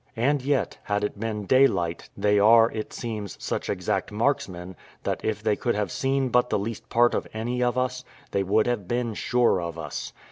And yet, had it been daylight, they are, it seems, such exact marksmen, that if they could have seen but the least part of any of us, they would have been sure of us.